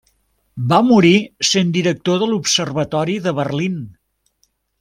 Va morir sent director de l'observatori a Berlín.